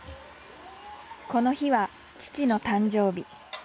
この日は父の誕生日。